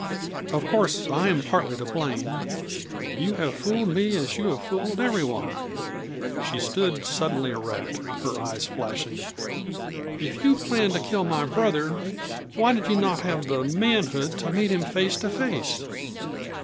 Of course I am partly to blame. You have fooled me as you have fooled everyone." She stood suddenly erect, her eyes flashing. "If you planned to kill my brother, why did you not have the manhood to meet him face to face?"